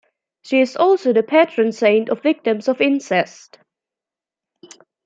She is also the patron saint of victims of incest.